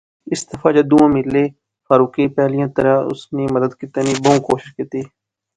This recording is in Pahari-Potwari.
اس دفعہ جدوں او ملے فاروقیں پہلیاں طرح اس نی مدد کیتے نی بہوں کوشش کیتی